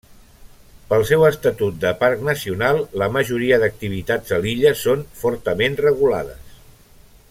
Pel seu estatut de parc nacional, la majoria d'activitats a l'illa són fortament regulades.